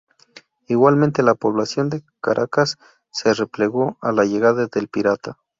Igualmente la población de Caracas se replegó a la llegada del pirata.